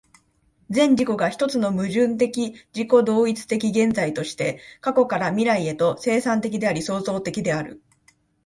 全自己が一つの矛盾的自己同一的現在として、過去から未来へと、生産的であり創造的である。